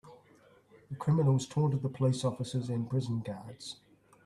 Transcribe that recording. The criminals taunted the police officers and prison guards.